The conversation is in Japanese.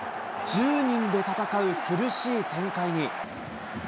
１０人で戦う苦しい展開に。